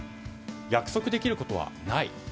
約束できることはない。